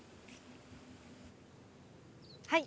はい。